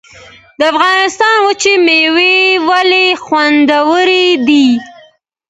د افغانستان وچې میوې ولې خوندورې دي؟